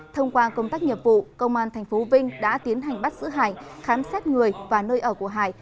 thông qua công tác nghiệp vụ công an tp vinh đã tiến hành bắt giữ hải khám xét người và nơi ở của hải